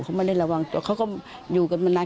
เขาไม่ได้ระวังตัวเขาก็อยู่กันมานาน